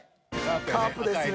カープですね。